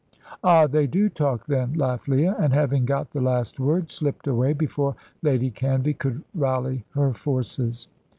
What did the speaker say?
"Ah, they do talk then," laughed Leah, and having got the last word slipped away before Lady Canvey could rally her forces.